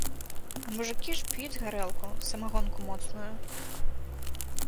А мужыкі ж п'юць гарэлку, самагонку моцную.